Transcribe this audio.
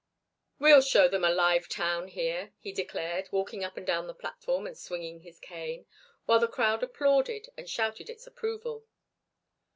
"We'll show them a live town here," he declared, walking up and down the platform and swinging his cane, while the crowd applauded and shouted its approval.